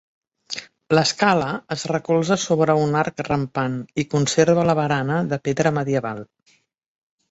L'escala es recolza sobre un arc rampant i conserva la barana de pedra medieval.